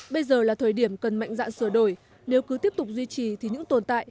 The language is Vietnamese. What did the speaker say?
bây giờ là thời điểm cần mạnh dạn sửa đổi nếu cứ tiếp tục duy trì thì những tồn tại